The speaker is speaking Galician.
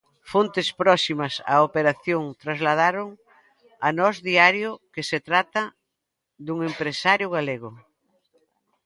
Fontes próximas á operación trasladaron a Nós Diario que se trata dun empresario galego.